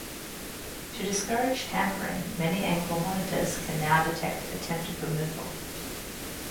To discourage tampering, many ankle monitors can now detect attempted removal.